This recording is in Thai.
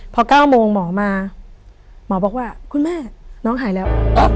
พอ๙โมงหมอมาหมอบอกว่าคุณแม่น้องหายแล้ว